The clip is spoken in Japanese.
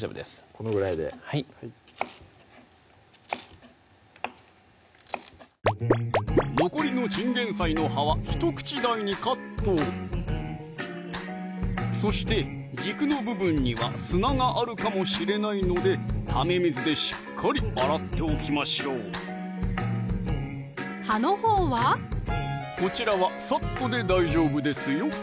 このぐらいで残りのチンゲン菜の葉はひと口大にカットそして軸の部分には砂があるかもしれないのでため水でしっかり洗っておきましょう葉のほうは？こちらはサッとで大丈夫ですよ